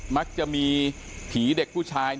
มักจะมีผีเด็กผู้ชาย